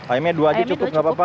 ayamnya dua aja cukup nggak apa apa